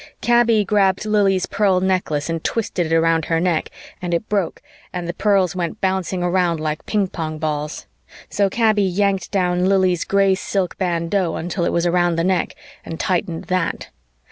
Kaby grabbed Lili's pearl necklace and twisted it around her neck and it broke and the pearls went bouncing around like ping pong balls, so Kaby yanked down Lili's gray silk bandeau until it was around the neck and tightened that.